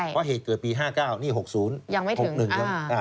เพราะเหตุเกิดปี๕๙นี่๖๐ยังไม่ถึง